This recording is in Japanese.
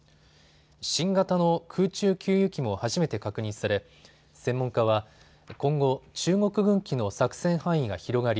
新型の空中給油機も初めて確認され専門家は今後、中国軍機の作戦範囲が広がり